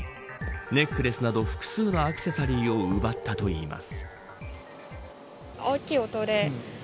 ネックレスなど複数のアクセサリーを奪ったといいます。